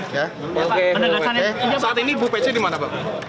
saat ini bu pece di mana pak